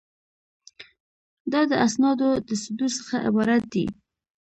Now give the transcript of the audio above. دا د اسنادو د صدور څخه عبارت دی.